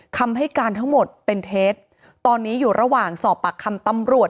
คำให้การทั้งหมดเป็นเท็จตอนนี้อยู่ระหว่างสอบปากคำตำรวจ